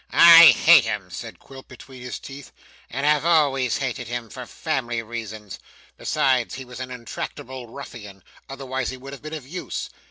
'I hate him,' said Quilp between his teeth, 'and have always hated him, for family reasons. Besides, he was an intractable ruffian; otherwise he would have been of use.